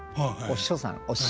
お師匠さん。